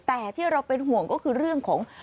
แต่ที่เราเป็นห่วงก็คือเรื่องของ